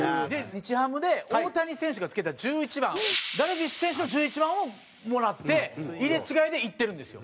日ハムで大谷選手がつけた１１番ダルビッシュ選手の１１番をもらって入れ違いで行ってるんですよ。